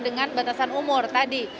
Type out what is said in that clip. dengan batasan umur tadi